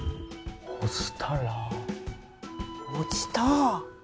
ほしたら落ちた？